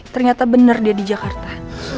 ternyata benar dia di jakarta